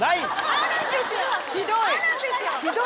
あるんですよ！